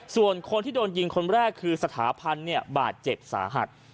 ส่วนคนที่โดนยิงคนแรกคือสถาพันธ์บาดเจ็บสาหัส